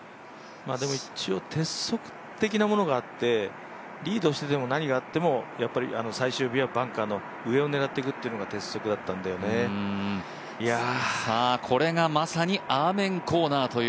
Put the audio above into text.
でも一応鉄則的なものがあって、リードしてても、何があっても、やっぱり最終日はバンカーの上を狙っていく左に大きく打ち出しました、シェフラー。